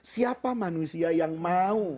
siapa manusia yang mau